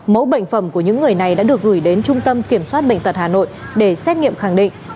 mẫu bệnh phẩm của những người này đã được gửi đến trung tâm kiểm soát bệnh tật hà nội để xét nghiệm khẳng định